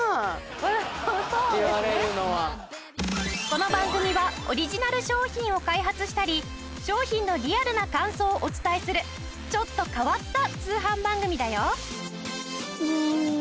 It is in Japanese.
この番組はオリジナル商品を開発したり商品のリアルな感想をお伝えするちょっと変わった通販番組だよ。